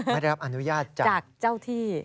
ไม่ได้รับอนุญาตจากเจ้าที่